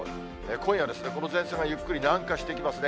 今夜ですね、この前線がゆっくり南下してきますね。